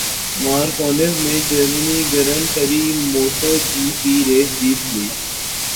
mark Marquez نے Germany grand prix motto جی پی race جیت لی